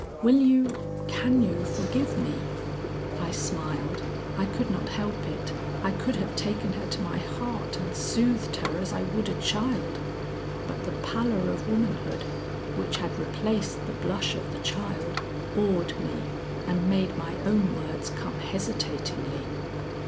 Will you can you forgive me?" I smiled; I could not help it. I could have taken her to my heart and soothed her as I would a child, but the pallor of womanhood, which had replaced the blush of the child, awed me and made my own words come hesitatingly.